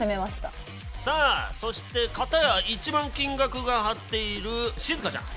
さあそして片や一番金額が張っている静香ちゃん。